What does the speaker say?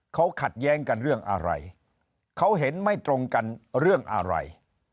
เขาขัดแย้งกันเรื่องอะไรเขาเห็นไม่ตรงกันเรื่องอะไร